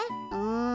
ん。